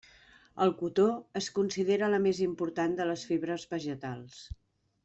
El cotó es considera la més important de les fibres vegetals.